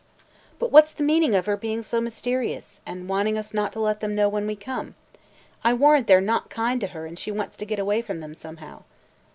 "But what 's the meaning of her being so mysterious – and wanting us not to let them know when we come? I warrant they 're not kind to her and she wants to get away from them somehow."